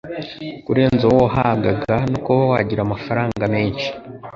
kurenza uwo wahabwa no kuba wagira amafaranga menshi,